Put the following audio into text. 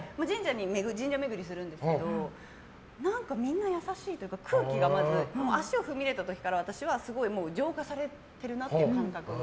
神社巡りするんですけどみんな優しいというか空気がまず足を踏み入れた時から私は浄化されてるなって感覚に。